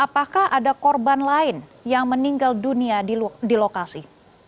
apakah ada korban lain yang meninggal dunia di lokasi